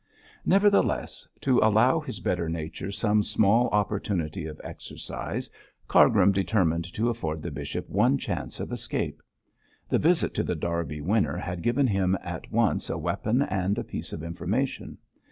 Nevertheless, to allow his better nature some small opportunity of exercise, Cargrim determined to afford the bishop one chance of escape. The visit to The Derby Winner had given him at once a weapon and a piece of information.